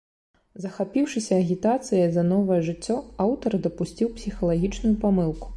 Захапіўшыся агітацыяй за новае жыццё, аўтар дапусціў псіхалагічную памылку.